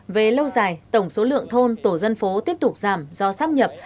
về lâu dài tổng số lượng thôn tổ dân phố tiếp tục giảm do sắp nhập